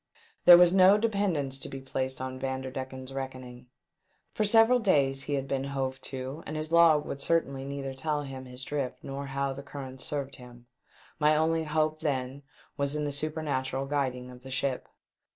There was no dependence to be placed on Vander decken's reckoning. For several days he had been hove to, and his log would certainly neither tell him his drift nor how the currents served him. My only hope then was in the supernatural guiding of the ship.